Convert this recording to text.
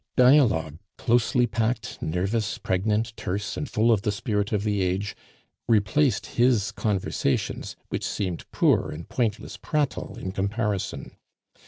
Dialogue, closely packed, nervous, pregnant, terse, and full of the spirit of the age, replaced his conversations, which seemed poor and pointless prattle in comparison.